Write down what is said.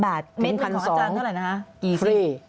๑๐๐๐บาทเม็ดหนึ่งของอาจารย์เท่าไหร่นะคะฟรี